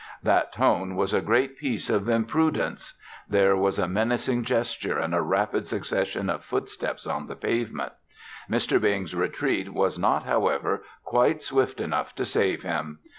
That tone was a great piece of imprudence. There was a menacing gesture and a rapid succession of footsteps on the pavement. Mr. Bing's retreat was not, however, quite swift enough to save him.